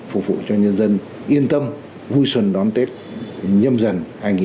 phục vụ cho nhân dân yên tâm vui xuân đón tết nhâm dần hai nghìn hai mươi bốn